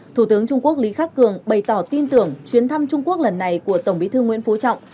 thủ tướng trung quốc lý khắc cường bày tỏ tin tưởng chuyến thăm trung quốc lần này của tổng bí thư nguyễn phú trọng